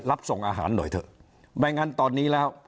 รับส่งอาหารหน่อยเถอะไม่งั้นตอนนี้แล้ว